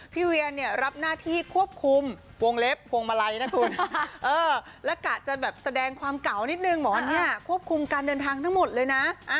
เวียนเนี่ยรับหน้าที่ควบคุมวงเล็บพวงมาลัยนะคุณและกะจะแบบแสดงความเก่านิดนึงบอกว่าเนี่ยควบคุมการเดินทางทั้งหมดเลยนะ